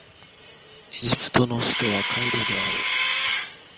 エジプトの首都はカイロである